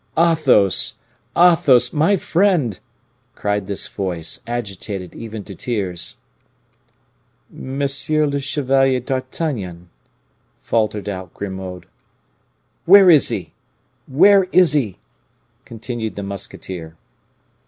"Athos! Athos! my friend!" cried this voice, agitated even to tears. "Monsieur le Chevalier d'Artagnan," faltered out Grimaud. "Where is he? Where is he?" continued the musketeer.